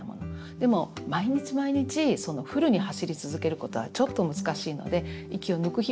でも毎日毎日フルに走り続けることはちょっと難しいので息を抜く日もありますよね。